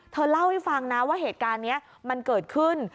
เธอเล่าให้ฟังนะว่าเหตุการณ์นี้มันเกิดขึ้น